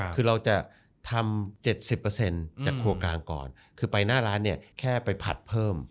คือเราจะทำ๗๐จากครัวกลางก่อนคือไปหน้าร้านเนี่ยแค่ไปผัดเพิ่ม